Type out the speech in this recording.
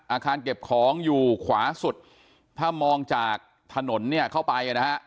อาคารเก็บของอยู่ขวาสุดถ้ามองจากถนนเนี่ยเข้าไปนะฮะ